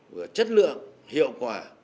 vừa là chất lượng hiệu quả